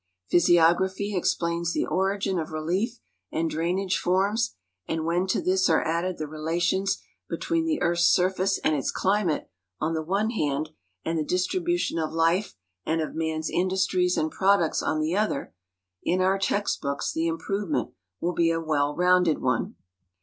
Physiography explains the origin of relief and drainage forms, and when to this are added the relations between the earth's surface and its climate, on the one hand, and the distribution of life and <}f man's industries and products, on the other, in our text books, the improvement will be a well rounded one.